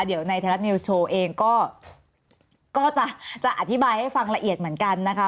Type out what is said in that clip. เดี๋ยวในไทยรัฐนิวส์โชว์เองก็จะอธิบายให้ฟังละเอียดเหมือนกันนะคะ